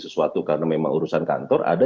sesuatu karena memang urusan kantor ada